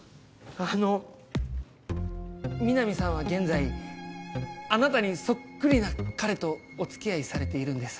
あのみなみさんは現在あなたにそっくりな彼とお付き合いされているんです。